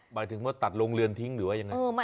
หมายถึงว่าตัดโรงเรือนทิ้งหรือว่ายังไง